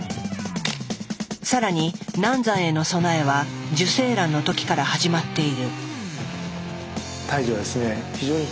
更に難産への備えは受精卵の時から始まっている。